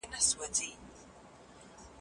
رابلل سوي ميلمانه بايد کوم ډول غذا نوشجان کړي؟